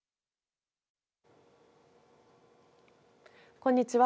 こんにちは。